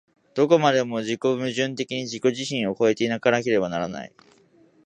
どこまでも自己矛盾的に自己自身を越え行かなければならない。